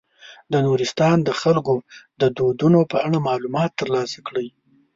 د نورستان د خلکو د دودونو په اړه معلومات تر لاسه کړئ.